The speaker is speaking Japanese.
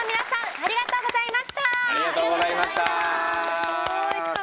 ありがとうございます。